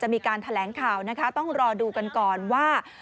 มีการแถลงข่าวนะคะต้องรอดูกันก่อนว่า